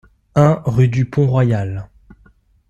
un rue du Pont Royal